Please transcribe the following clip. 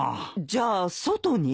じゃあ外に？